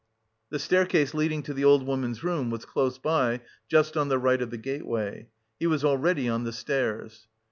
The staircase leading to the old woman's room was close by, just on the right of the gateway. He was already on the stairs....